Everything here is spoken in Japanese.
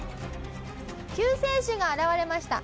救世主が現れました。